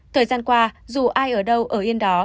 thời gian qua dù ai ở đâu ở yên đó